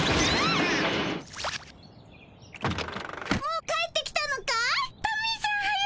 もう帰ってきたのかい？